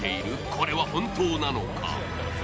これは本当なのか？